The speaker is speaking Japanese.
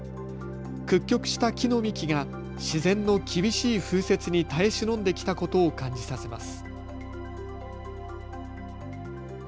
屈曲した木の幹が自然の厳しい風雪に耐え忍んできたことを感じさせます。